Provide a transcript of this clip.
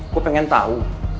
gua pengen tau